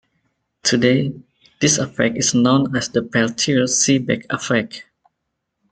Today, this effect is known as the Peltier-Seebeck effect.